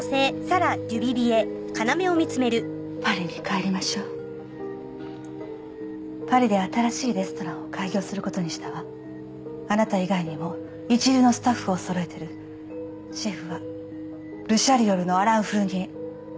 パリに帰りましょうパリで新しいレストランを開業することにあなた以外にも一流のスタッフをそろえてシェフはルシャリアルのアラン・フ